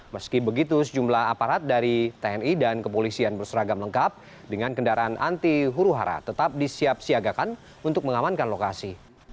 meski begitu sejumlah aparat dari tni dan kepolisian berseragam lengkap dengan kendaraan anti huru hara tetap disiap siagakan untuk mengamankan lokasi